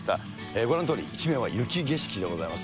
ご覧のとおり、一面雪景色であります。